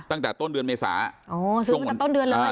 ตั้งแต่ต้นเดือนเมษาอ๋อซื้อตั้งแต่ต้นเดือนเลย